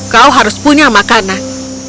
kau harus punya makanan